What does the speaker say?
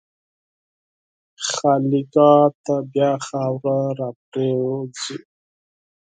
خالیګاه ته بیا خاوره راپرېوځي.